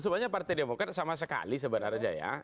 sebenarnya partai demokrat sama sekali sebenarnya ya